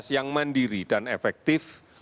yang mandiri dan efektif